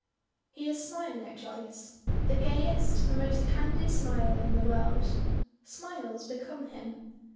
He is smiling at Joyce the gayest, the most candid smile in the world. Smiles become him.